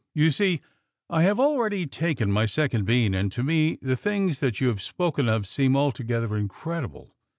"You see, I have already taken my second bean and to me the things that you have spoken of seem altogether incredible.